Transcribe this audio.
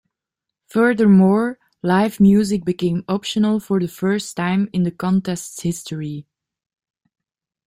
Furthermore, live music became optional for the first time in the Contest's history.